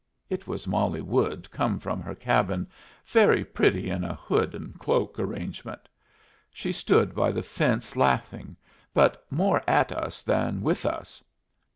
It was Molly Wood, come from her cabin, very pretty in a hood and cloak arrangement. She stood by the fence, laughing, but more at us than with us.